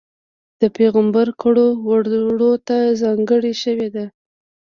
د پېغمبر کړو وړوته ځانګړې شوې ده.